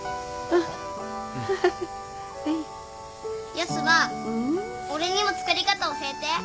ヤスば俺にも作り方教えて。